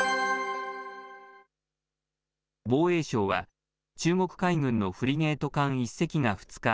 防衛省は中国海軍のフリゲート艦１隻が２日、